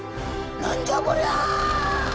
何じゃこりゃ！？